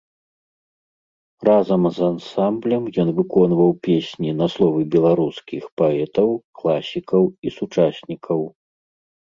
Разам з ансамблем ён выконваў песні на словы беларускіх паэтаў, класікаў і сучаснікаў.